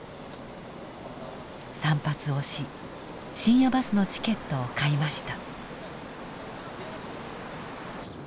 散髪をし深夜バスのチケットを買いました。